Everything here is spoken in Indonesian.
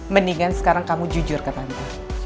mendingan sekarang kamu jujur ke pantai